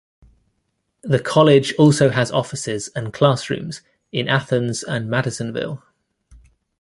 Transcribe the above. The college also has offices and classrooms in Athens and Madisonville.